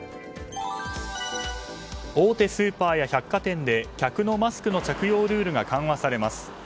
大手スーパーや百貨店で客のマスクの着用ルールが緩和されます。